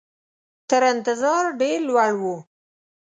تر انتظار ډېر لوړ وو.